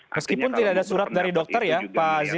meskipun tidak ada surat dari dokter ya pak aziz